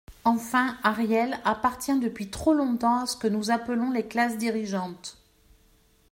Enfin, Ariel appartient depuis trop longtemps à ce que nous appelons les classes dirigeantes.